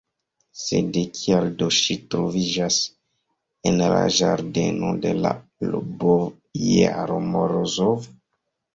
Sed kial do ŝi troviĝas en la ĝardeno de l' bojaro Morozov?